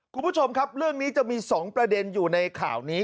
คุณผู้ชมครับเรื่องนี้จะมี๒ประเด็นอยู่ในข่าวนี้